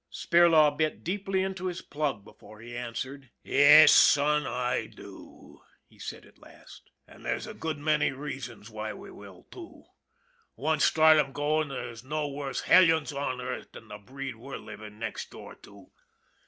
Spirlaw bit deeply into his plug before he answered. " Yes, son; I do," he said at last. " And there's a 136 ON THE IRON AT BIG CLOUD good many reasons why we will, too. Once start 'em goin' an' there's no worse hellions on earth than the breed we're livin' next door to.